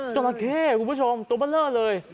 จัดละเข้คุณผู้ชมตัวเบลอเลย